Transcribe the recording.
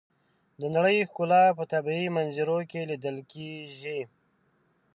د نړۍ ښکلا په طبیعي منظرو کې لیدل کېږي.